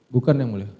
bukan yang boleh